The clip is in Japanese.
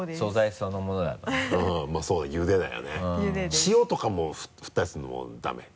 塩とかも振ったりするのもダメ？